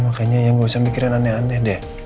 makanya yang gak usah mikirin aneh aneh deh